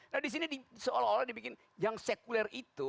nah disini seolah olah dibikin yang sekuler itu